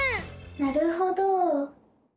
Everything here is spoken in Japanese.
なるほど！